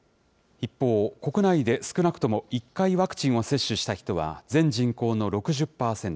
一方、国内で少なくとも１回ワクチンを接種した人は全人口の６０％。